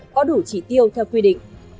có đủ chỉ tiêu theo quy định